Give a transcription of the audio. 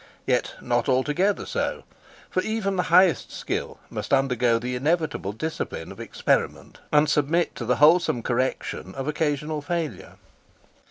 Yet not altogether so; for even the highest skill must undergo the inevitable discipline of experiment, and submit to the wholesome correction of occasional failure.